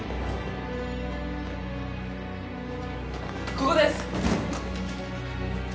ここです！